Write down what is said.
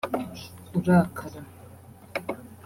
urakara